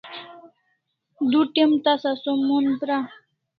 Du t'em tasa som mon pra